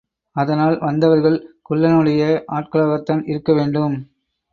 அதனால், வந்தவர்கள் குள்ளனுடைய ஆள்களாகத்தான் இருக்கவேண்டும்.